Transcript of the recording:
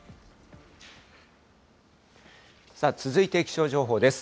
続いて、気象情報です。